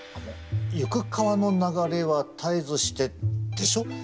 「ゆく河の流れは絶えずして」でしょ？